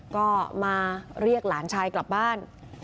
ก็มาเรียกหลานชายกลับบ้าน